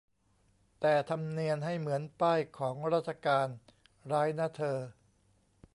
แต่ทำเนียนให้เหมือนป้ายของราชการ ร้ายนะเธอ